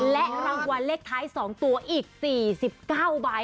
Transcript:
และรางวัลเลขท้าย๒ตัวอีก๔๙ใบ